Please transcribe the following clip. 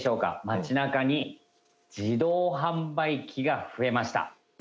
街なかに自動販売機が増えました。